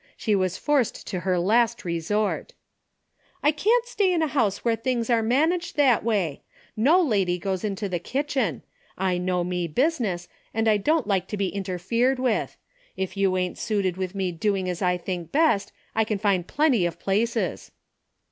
She was forced to her last resort. " I can't stay in a house where things are managed that way. No lady goes into the kitchen. I know me business, and I don't like to be interfered with. If you ain't suited with me doing as I think best, I can find plenty of places."